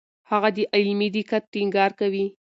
هغه د علمي دقت ټینګار کوي.